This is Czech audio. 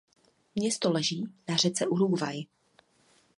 Město leží na řece Uruguay.